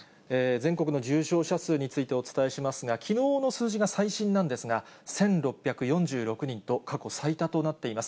全国の重症者数についてお伝えしますが、きのうの数字が最新なんですが、１６４６人と過去最多となっています。